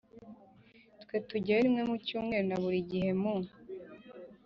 • twe tujyayo rimwe mu cyumweru na buri gihe mu